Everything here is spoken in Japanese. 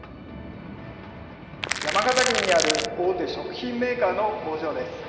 山形県にある大手食品メーカーの工場です。